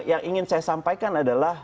yang ingin saya sampaikan adalah